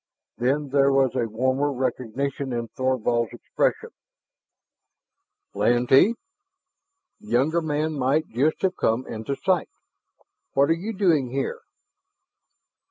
Then there was a warmer recognition in Thorvald's expression. "Lantee!" The younger man might just have come into sight. "What are you doing here?"